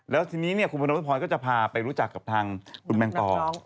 แล้วทีนี้คุณพนมพรก็จะพาไปรู้จักกับทางคุณแมงปอ